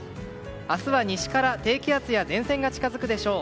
明日は西から低気圧や前線が近づくでしょう。